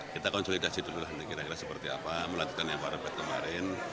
kita konsultasi dulu kira kira seperti apa melakukan yang parah parah kemarin